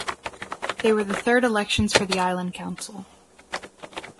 They were the third elections for the Island Council.